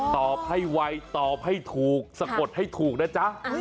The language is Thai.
ตอบให้ไวตอบให้ถูกสะกดให้ถูกนะจ๊ะ